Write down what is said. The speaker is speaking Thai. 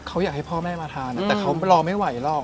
เขาอยากให้พ่อแม่มาทานแต่เขารอไม่ไหวหรอก